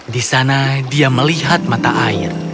di sana dia melihat mata air